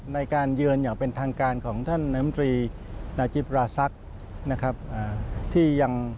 ในการยืนเป็นทางการของท่านนายลำตรีณนาจิปราชฌัตน์